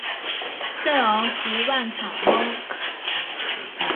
圣昂图万坎翁。